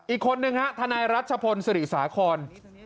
อีกคนนึงฮะทนายรัชพลศิริสาคร